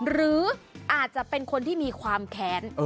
หรืออาจจะเป็นคนที่มีความแค้น